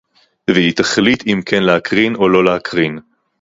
והיא תחליט אם כן להקרין או לא להקרין